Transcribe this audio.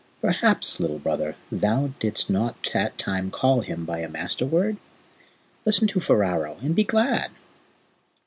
"Perhaps, Little Brother, thou didst not that time call him by a Master word? Listen to Ferao, and be glad!"